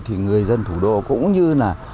thì người dân thủ đô cũng như là